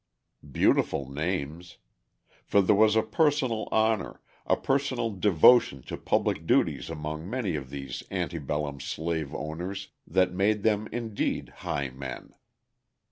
Beautiful names! For there was a personal honour, a personal devotion to public duties among many of these ante bellum slave owners that made them indeed "high men."